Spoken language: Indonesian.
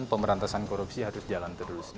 pemberantasan korupsi harus jalan terus